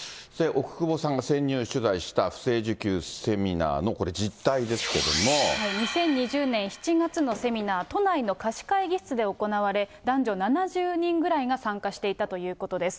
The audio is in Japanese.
奥窪さんが潜入取材した不正受給セミナーの、２０２０年７月のセミナー、都内の貸会議室で行われ、男女７０人ぐらいが参加していたということです。